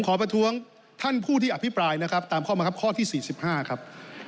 ประท้วงท่านผู้ที่อภิปรายนะครับตามข้อบังคับข้อที่๔๕ครับ